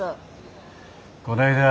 こないだ